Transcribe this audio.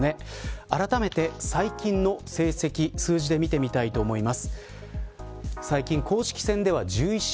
あらためて最近の成績数字で見てみたいと思います。